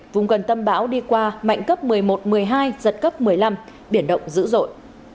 vùng gần tâm bão đi qua mạnh cấp một mươi một một mươi hai giật cấp một mươi năm biển động dữ dội